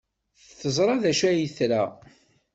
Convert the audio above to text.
Teẓra d acu ay tra.